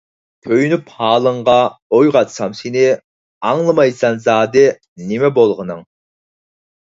كۆيۈنۈپ ھالىڭغا، ئويغاتسام سېنى، ئاڭلىمايسەن زادى، نېمە بولغىنىڭ؟